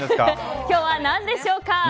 今日は何でしょうか。